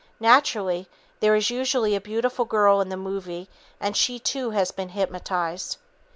Naturally, there is usually a beautiful girl in the movie and she, too, has been hypnotized.